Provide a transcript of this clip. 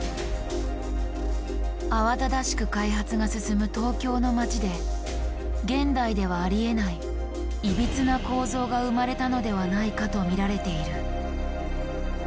慌ただしく開発が進む東京の街で現代ではありえない「いびつな構造」が生まれたのではないかと見られている。